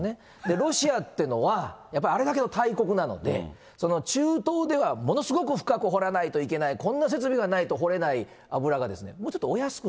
ロシアってのは、やっぱあれだけの大国なので、中東ではものすごく深く掘らないといけない、こんな設備がないと掘れない油が、ロシアは？